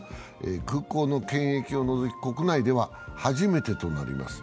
空港の検疫を除き、国内では初めてとなります。